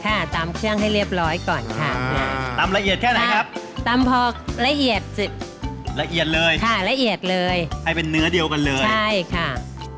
ค่ะตำเครื่องให้เรียบร้อยก่อนค่ะตำละเอียดแค่ไหนครับตำพอละเอียดเสร็จละเอียดเลยค่ะละเอียดเลยให้เป็นเนื้อเดียวกันเลยใช่ค่ะ